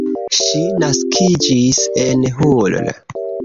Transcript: Ŝi naskiĝis en Hull.